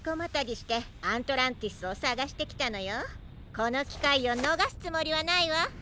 このきかいをのがすつもりはないわ。